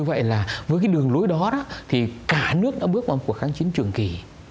với đường lối đó cả nước đã bước vào cuộc kháng chiến trường kỳ